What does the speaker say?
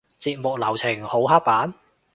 節目流程好刻板？